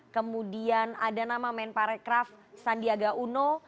kemudian ada nama menparekraf sandiaga uno